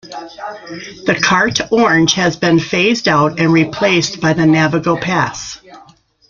The Carte orange has been phased out and replaced by the Navigo pass.